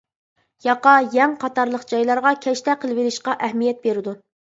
ياقا، يەڭ قاتارلىق جايلارغا كەشتە قىلىۋېلىشقا ئەھمىيەت بېرىدۇ.